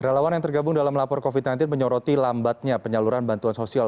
relawan yang tergabung dalam lapor covid sembilan belas menyoroti lambatnya penyaluran bantuan sosial